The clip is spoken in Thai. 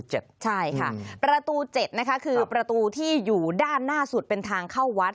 ใช่ค่ะประตู๗นะคะคือประตูที่อยู่ด้านหน้าสุดเป็นทางเข้าวัด